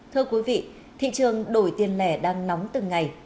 thưa quý vị thị trường đổi tiền lẻ đang nóng từng ngày